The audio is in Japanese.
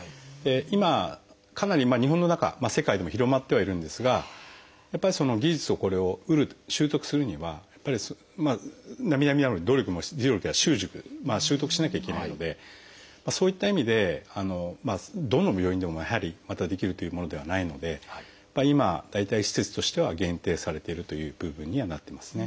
今かなり日本の中世界でも広まってはいるんですがやっぱり技術をこれを習得するにはなみなみならぬ努力や習熟習得しなきゃいけないのでそういった意味でどの病院でもやはりまだできるというものではないので今大体施設としては限定されているという部分にはなってますね。